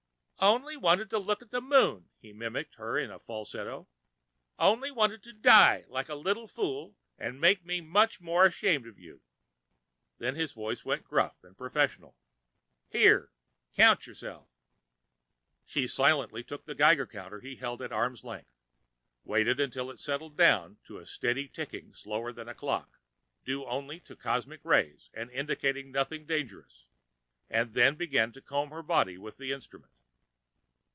"Only wanted to look at the Moon!" he mimicked her in falsetto. "Only wanted to die like a little fool and make me that much more ashamed of you!" Then his voice went gruff and professional. "Here, count yourself." She silently took the Geiger counter he held at arm's length, waited until it settled down to a steady ticking slower than a clock due only to cosmic rays and indicating nothing dangerous and then began to comb her body with the instrument.